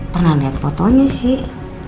pernah liat fotonya sih